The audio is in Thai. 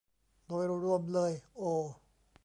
โดยรวมเลยโอ